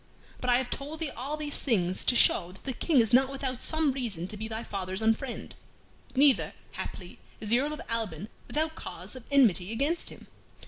But I have told thee all these things to show that the King is not without some reason to be thy father's unfriend. Neither, haply, is the Earl of Alban without cause of enmity against him.